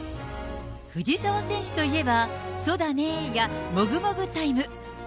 藤澤選手といえば、そだねーや、もぐもぐタイム。